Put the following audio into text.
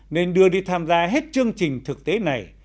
nên đưa đi tham gia hết chương trình thực tế này